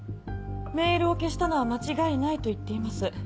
メールを消したのは間違いないと言っています。